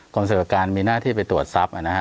กรมสวัสดีการมีหน้าที่ไปตรวจทรัพย์อ่ะนะฮะ